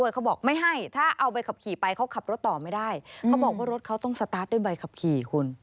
เขาบอกว่ารถเขาต้องสตาร์ทด้วยใบขับขี่คุณ